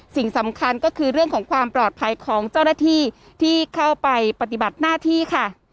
สิ่งสำคัญก็คือเรื่องของความปลอดภัยของเจ้าหน้าที่ที่เข้าไปปฏิบัติหน้าที่ค่ะ